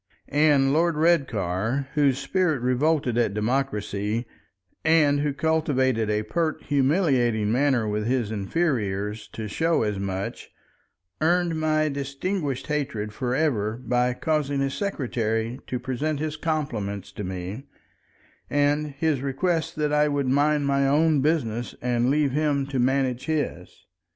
And Lord Redcar, whose spirit revolted at democracy, and who cultivated a pert humiliating manner with his inferiors to show as much, earned my distinguished hatred for ever by causing his secretary to present his compliments to me, and his request that I would mind my own business and leave him to manage his.